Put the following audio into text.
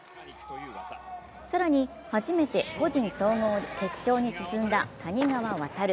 更に、初めて個人総合決勝に進んだ谷川航。